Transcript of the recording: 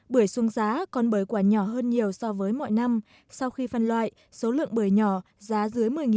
bưởi xuống giá còn bởi quả nhỏ hơn nhiều so với mọi năm sau khi phân loại số lượng bưởi nhỏ giá dưới một mươi đồng